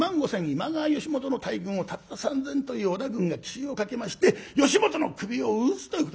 今川義元の大軍をたった３，０００という織田軍が奇襲をかけまして義元の首を討つということになります。